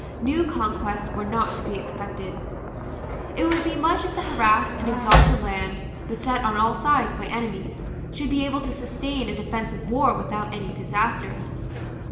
New conquests were not to be expected. It would be much if the harassed and exhausted land, beset on all sides by enemies, should be able to sustain a defensive war without any disaster.